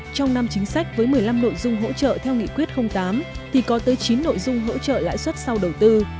trong năm chính sách với một mươi năm nội dung hỗ trợ theo nghị quyết tám thì có tới chín nội dung hỗ trợ lãi suất sau đầu tư